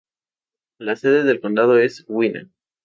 La sede del condado es Winner.